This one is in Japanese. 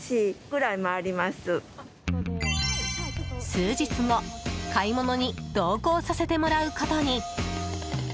数日後、買い物に同行させてもらうことに。